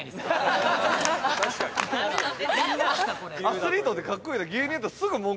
アスリートってかっこいいよな。